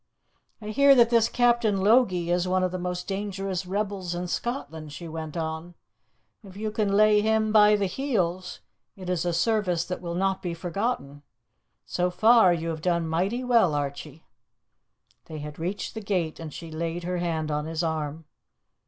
"I hear that this Captain Logie is one of the most dangerous rebels in Scotland," she went on. "If you can lay him by the heels it is a service that will not be forgotten. So far you have done mighty well, Archie." They had reached the gate, and she laid her hand on his arm.